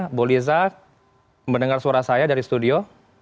ibu liza mendengar suara saya dari studio